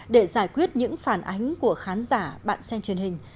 để giải quyết những phản ánh của khán giả bạn xem truyền hình